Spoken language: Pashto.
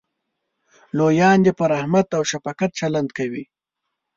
لویان دې په رحمت او شفقت چلند کوي.